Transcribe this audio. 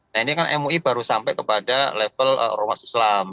nah ini kan mui baru sampai kepada level ormas islam